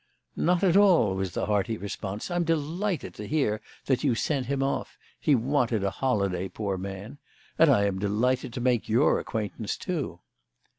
"Not at all," was the hearty response. "I'm delighted to hear that you sent him off; he wanted a holiday, poor man. And I am delighted to make your acquaintance, too."